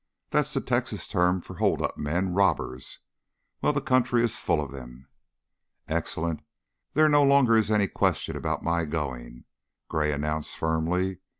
That's the Texas term for hold up men, robbers. Well, the country is full of them." "Excellent! There no longer is any question about my going," Gray announced, firmly.